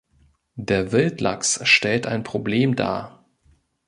Der Wildlachs stellt ein Problem dar.